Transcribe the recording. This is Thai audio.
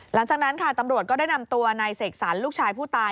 หลังจากนั้นค่ะตำรวจก็ได้นำตัวนายเสกสรรลูกชายผู้ตาย